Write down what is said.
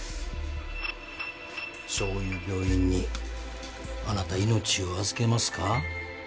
そういう病院にあなた命を預けますか？